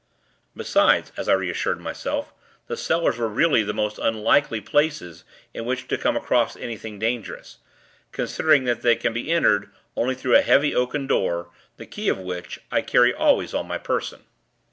Besides, as I reassured myself, the cellars were really the most unlikely places in which to come across anything dangerous; considering that they can be entered, only through a heavy oaken door, the key of which, I carry always on my person.